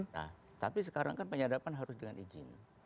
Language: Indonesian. nah tapi sekarang kan penyadapan harus dengan izin